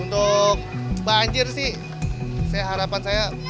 untuk banjir sih harapan saya